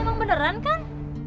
emang beneran kan